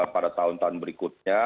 pada tahun tahun berikutnya